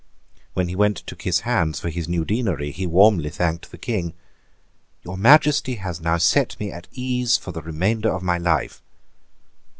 When he went to kiss hands for his new deanery he warmly thanked the King. "Your Majesty has now set me at ease for the remainder of my life."